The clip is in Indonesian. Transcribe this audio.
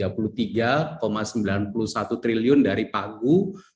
puluh satu triliun dari pagu tujuh ratus empat puluh empat tujuh